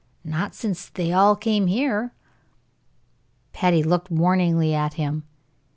Not since they all came here." Patty looked warningly at him.